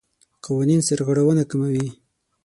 قوانین سرغړونه کموي.